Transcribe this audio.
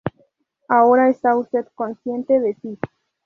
Ahora está usted consciente de sí.